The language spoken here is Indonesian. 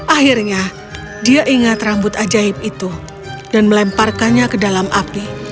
akhirnya dia ingat rambut ajaib itu dan melemparkannya ke dalam api